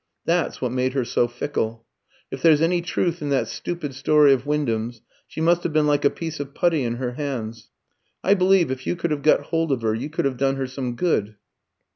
That's what made her so fickle. If there's any truth in that stupid story of Wyndham's, she must have been like a piece of putty in her hands. I believe, if you could have got hold of her, you could have done her some good."